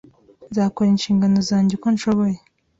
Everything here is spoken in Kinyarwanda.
Nzakora inshingano zanjye uko nshoboye